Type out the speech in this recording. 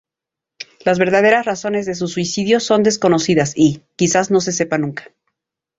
Las verdaderas razones de su suicidio son desconocidas y, quizás no se sepan nunca.